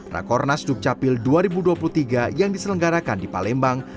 rakornas dukcapil dua ribu dua puluh tiga yang diselenggarakan di palembang